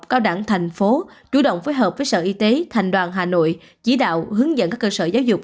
cao đẳng thành phố chủ động phối hợp với sở y tế thành đoàn hà nội chỉ đạo hướng dẫn các cơ sở giáo dục